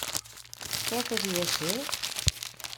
Què devia ser?